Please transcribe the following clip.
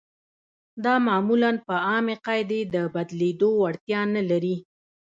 دا معمولاً په عامې قاعدې د بدلېدو وړتیا نلري.